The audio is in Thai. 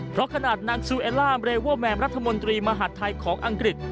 เพราะขนาดนางซูเอล่าเรเวอร์แมมรัฐมนตรีมหาดไทยของอังกฤษ